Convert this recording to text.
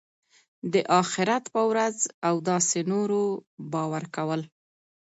د آخرت په ورځ او داسي نورو باور کول .